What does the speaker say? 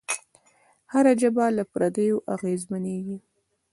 هره ژبه له پردیو اغېزمنېږي.